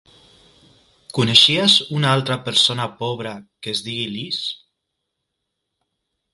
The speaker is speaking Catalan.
¿Coneixies una altra persona pobra que es digui Liz?